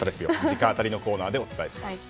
直アタリのコーナーでお伝えします。